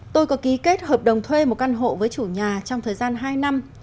tôi có ký kết hợp đồng thuê một căn hộ với chủ nhà trong thời gian hai năm